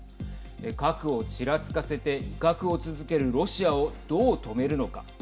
核をちらつかせて威嚇を続けるロシアをどう止めるのか。